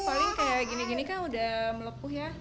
paling kayak gini gini kan udah melepuh ya